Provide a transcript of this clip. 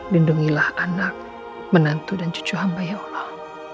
lindungilah anak menantu dan cucu hamba ya allah